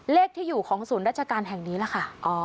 เลขที่อยู่ของศูนย์ราชการแห่งนี้ล่ะค่ะ